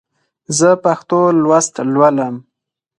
زه پښتو لوست لولم.